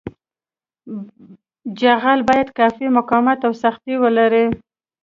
جغل باید کافي مقاومت او سختي ولري